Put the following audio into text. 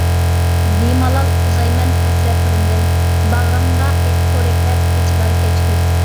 بىمالال ئۇزايمەن ھەسرەتلىرىمدىن، باغرىمدا پورەكلەپ ئېچىلار كەچ كۈز .